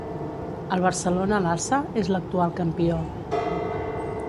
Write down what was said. El Barcelona Lassa és actual campió.